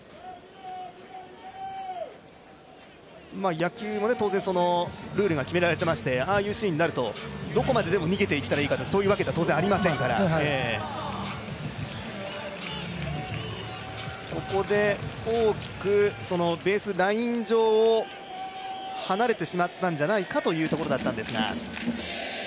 野球も当然、ルールが決められてましてああいうシーンになると、どこまででも逃げていっていいかというと、当然そうではありませんから。ここで大きくベースライン上を離れてしまったんじゃないかというところだったんですが。